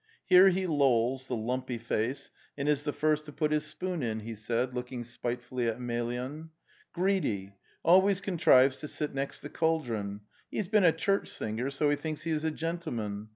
'" Here he lolls, the lumpy face, and is the first to put his spoon in," he said, looking spitefully at Emel yan. "Greedy! always contrives to sit next the cauldron. He's been a church singer, so he thinks he is a gentleman!